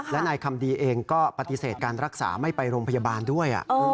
และนายคำดีเองก็ปฏิเสธการรักษาไม่ไปโรงพยาบาลด้วย